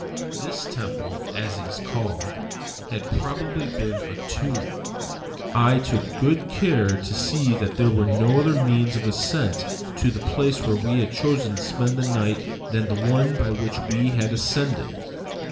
This temple, as it is called, had probably been a tomb. I took good care to see that there was no other means of ascent to the place where we had chosen to spend the night than the one by which we had ascended.